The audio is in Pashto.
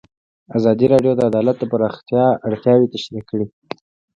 ازادي راډیو د عدالت د پراختیا اړتیاوې تشریح کړي.